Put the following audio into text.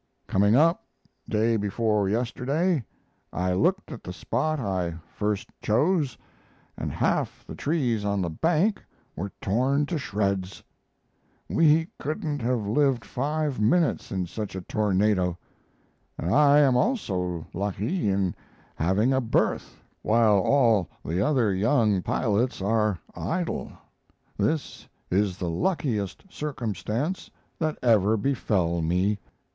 Coming up, day before yesterday, I looked at the spot I first chose, and half the trees on the bank were torn to shreds. We couldn't have lived 5 minutes in such a tornado. And I am also lucky in having a berth, while all the other young pilots are idle. This is the luckiest circumstance that ever befell me.